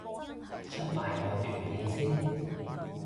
出埋我段片先